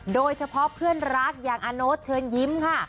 โดยเฉพาะเพื่อนรักอย่างอาโน๊ตเชิญยิ้มค่ะ